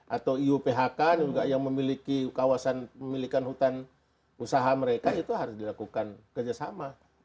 atau iuphk juga yang memiliki kawasan memiliki hutan usaha mereka itu harus dilakukan kerjasama